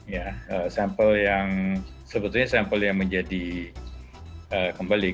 ya sampel yang sebetulnya sampel yang menjadi kembali